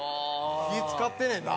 気ぃ使ってんねんな